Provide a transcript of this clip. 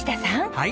はい。